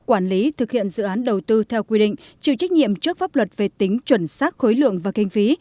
quản lý thực hiện dự án đầu tư theo quy định chịu trách nhiệm trước pháp luật về tính chuẩn xác khối lượng và kinh phí